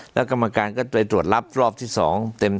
แล้วกรรมการก็ไปตรวจรับรอบที่๒เต็ม